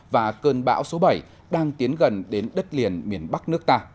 và cơn bão số bảy đang tiến gần đến đất liền miền bắc nước ta